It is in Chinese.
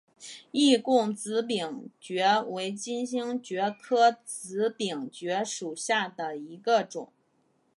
易贡紫柄蕨为金星蕨科紫柄蕨属下的一个种。